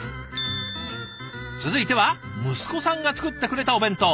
続いては息子さんが作ってくれたお弁当。